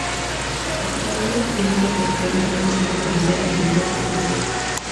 El tratamiento está orientado principalmente a reducir la frecuencia y severidad de los brotes.